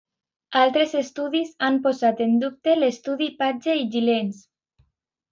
Altres estudis han posat en dubte l'estudi Page i Gilens.